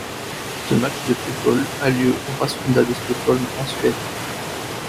Ce match de football a lieu le au Råsunda de Stockholm, en Suède.